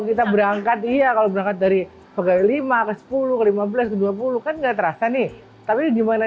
kita berangkat iya kalau berangkat dari pegawai lima ke sepuluh ke lima belas ke dua puluh kan enggak terasa nih tapi gimana